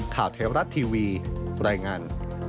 ข่าวเทวรัฐทีวีรายงาน